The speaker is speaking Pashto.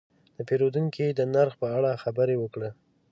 دا پیرودونکی د نرخ په اړه خبرې وکړې.